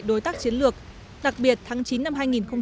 đối tác chiến lược đặc biệt tháng chín năm hai nghìn một mươi chín